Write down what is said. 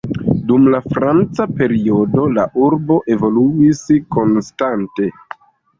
Dum la franca periodo la urbo evoluis konstante.